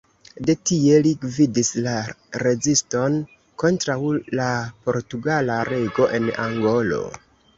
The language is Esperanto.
De tie li gvidis la reziston kontraŭ la portugala rego en Angolo.